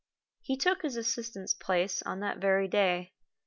He took his assistant's place on that very day.